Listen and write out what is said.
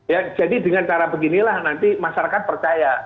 ya jadi dengan cara beginilah nanti masyarakat percaya